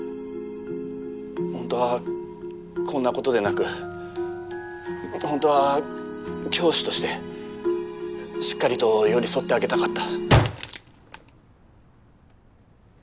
本当はこんなことでなく本当は教師としてしっかりと寄り添ってあげたかった。